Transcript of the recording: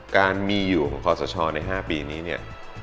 การมีอยู่ของคอสชใน๕ปีนี้เนี่ย